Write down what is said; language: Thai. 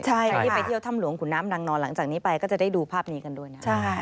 ใครที่ไปเที่ยวถ้ำหลวงขุนน้ำนางนอนหลังจากนี้ไปก็จะได้ดูภาพนี้กันด้วยนะ